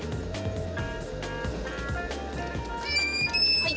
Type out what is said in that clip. はい。